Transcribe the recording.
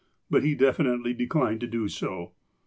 But he definitely de clined to do so.